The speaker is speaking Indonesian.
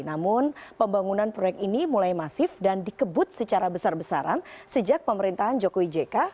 namun pembangunan proyek ini mulai masif dan dikebut secara besar besaran sejak pemerintahan jokowi jk